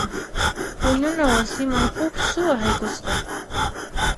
Puñuna wasiman huk suwa haykusqa.